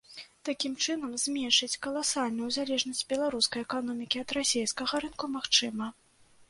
Такім чынам, зменшыць каласальную залежнасць беларускай эканомікі ад расейскага рынку магчыма.